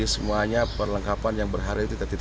semuanya diperhatikan dengan tertidakkan oleh pembina